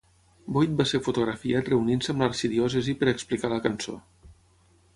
Boyd va ser fotografiat reunint-se amb l'arxidiòcesi per explicar la cançó.